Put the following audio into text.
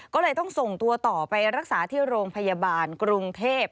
ก็เลยต้องส่งตัวต่อไปรักษาที่โรงพยาบาลกรุงเทพ